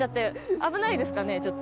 危ないですかねちょっと。